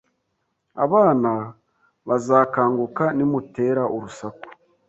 Abana bazakanguka nimutera urusaku